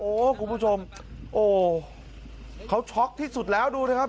โอ้โหคุณผู้ชมโอ้เขาช็อกที่สุดแล้วดูนะครับ